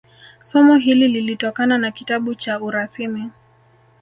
Somo hili lilitokana na kitabu cha urasimi